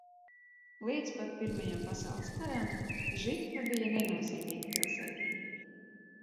Līdz pat Pirmajam pasaules karam Žifa bija nenozīmīga pilsētiņa.